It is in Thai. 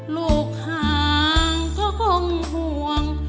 ลูกห่างก็คงห่วง